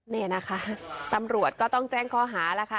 นี่นะคะตำรวจก็ต้องแจ้งข้อหาแล้วค่ะ